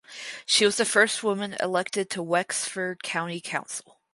She was the first woman elected to Wexford County Council.